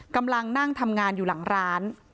กำลังนั่งทำงานอยู่หลังร้าน